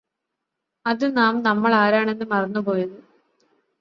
അത് നാം നമ്മളാരാണെന്ന് മറന്നുപോയത്